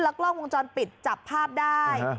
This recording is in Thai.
กล้องวงจรปิดจับภาพได้